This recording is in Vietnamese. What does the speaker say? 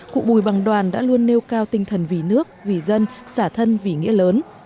cụ bùi bằng đoàn đã luôn nêu cao tinh thần vì nước vì dân xả thân vì nghĩa lớn